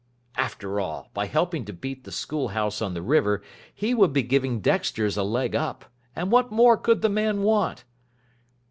After all, by helping to beat the School House on the river he would be giving Dexter's a leg up. And what more could the man want?